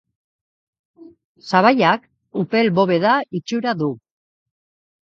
Sabaiak upel bobeda itxura du.